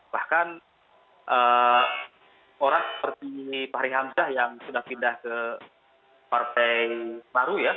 bahkan orang seperti fahri hamzah yang sudah pindah ke partai baru ya